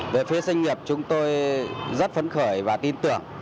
về phía doanh nghiệp chúng tôi rất phấn khởi và tin tưởng